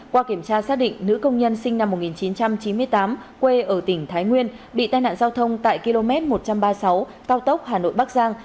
qua kiểm tra xác định nữ công nhân sinh năm một nghìn chín trăm chín mươi tám quê ở tỉnh thái nguyên bị tai nạn giao thông tại km một trăm ba mươi sáu cao tốc hà nội bắc giang